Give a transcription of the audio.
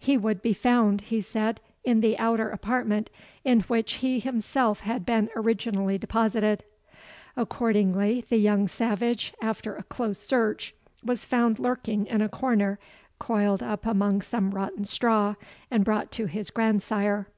"He would be found," he said, "in the outer apartment, in which he himself had been originally deposited." Accordingly, the young savage, after a close search, was found lurking in a corner, coiled up among some rotten straw, and brought to his grandsire.